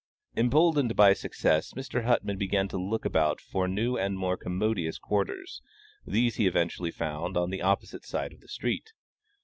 Emboldened by success, Mr. Huttman began to look about for new and more commodious quarters; these he eventually found on the opposite side of the street.